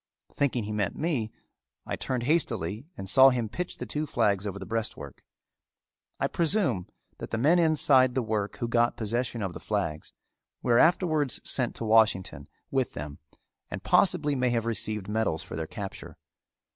Thinking he meant me, I turned hastily and saw him pitch the two flags over the breastwork. I presume that the men inside the work who got possession of the flags were afterwards sent to Washington with them and possibly may have received medals for their capture.